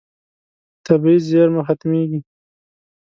طبیعي زیرمه ختمېږي.